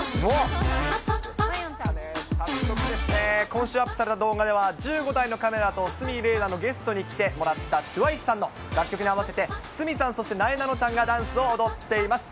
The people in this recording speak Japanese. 今週アップされた動画では、１５台のカメラと鷲見玲奈のゲストに来てもらったＴＷＩＣＥさんの楽曲に合わせて鷲見さん、そしてなえなのちゃんが、ダンスを踊っています。